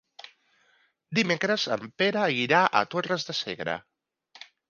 Dimecres en Pere irà a Torres de Segre.